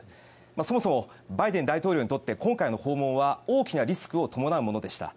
そもそもバイデン大統領にとって今回の訪問は大きなリスクを伴うものでした。